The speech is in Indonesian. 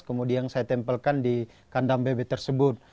kemudian saya tempelkan di kandang bebek tersebut